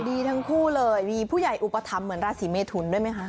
ดีทั้งคู่เลยมีผู้ใหญ่อุปถัมภ์เหมือนราศีเมทุนด้วยไหมคะ